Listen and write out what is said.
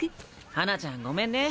花ちゃんごめんね。